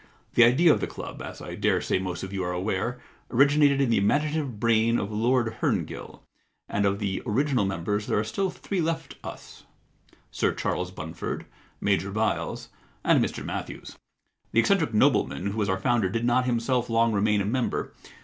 The idea of the club, as I dare say most of you are aware, originated in the imaginative brain of Lord Herngill, and of the original members there are still three left us — Sir Charles Bunford, Major Byles, and Mr Matthews. The eccentric nobleman who was our founder did not himself long remain a member.